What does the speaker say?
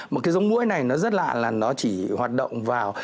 một cái giống mũi này nó rất lạ là nó chỉ hoạt động vào